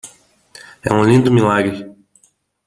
É um lindo milagre.